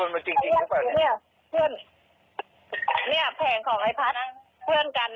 เนี่ยแผงของไอ้พัทเลยเห็นไหม